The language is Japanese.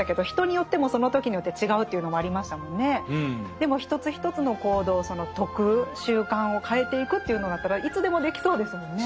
でも一つ一つの行動その徳習慣を変えていくというのだったらいつでもできそうですもんね。